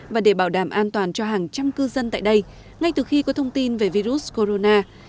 và để bảo đảm an toàn cho hàng trăm cư dân tại đây ngay từ khi có thông tin về virus corona